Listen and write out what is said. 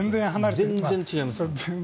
全然違います。